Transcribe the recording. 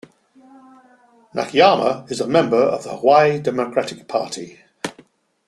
Nakayama is a member of the Hawaii Democratic Party.